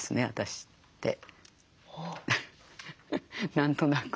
何となく。